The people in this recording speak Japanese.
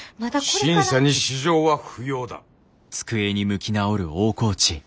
審査に私情は不要だ。